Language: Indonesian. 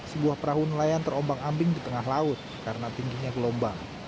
sebuah perahu nelayan terombang ambing di tengah laut karena tingginya gelombang